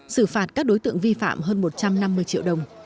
xử phạt các đối tượng vi phạm hơn một trăm năm mươi triệu đồng